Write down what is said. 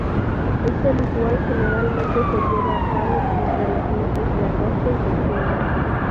Este ritual generalmente se lleva a cabo entre los meses de agosto y septiembre.